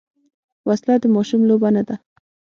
وسله د ماشوم لوبه نه ده